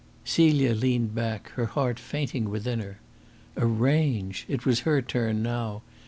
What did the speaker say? Celia leaned back, her heart fainting within her. Arrange! It was her turn now.